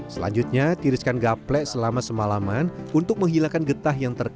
selanjutnya tiriskan gaplek selama semalaman untuk menghilangkan getah yang terkenal